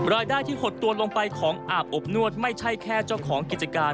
รายได้ที่หดตัวลงไปของอาบอบนวดไม่ใช่แค่เจ้าของกิจการ